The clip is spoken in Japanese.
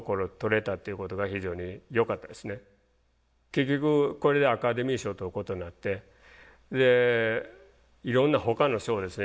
結局これでアカデミー賞取ることになってでいろんなほかの賞ですね